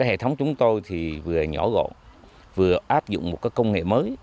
hệ thống chúng tôi thì vừa nhỏ gọn vừa áp dụng một công nghệ mới